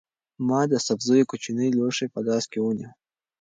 ما د سبزیو کوچنی لوښی په لاس کې ونیو.